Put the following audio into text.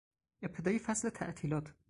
ابتدای فصل تعطیلات